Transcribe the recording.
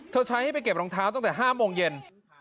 ใช้ให้ไปเก็บรองเท้าตั้งแต่๕โมงเย็น